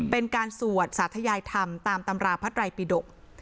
เป็นการสวดสาธยายธรรมตามตำราพระไรปิดก